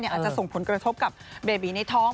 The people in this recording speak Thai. อาจจะส่งผลกระทบกับเบบีในท้อง